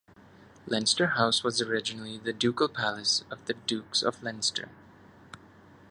Leinster House was originally the ducal palace of the Dukes of Leinster.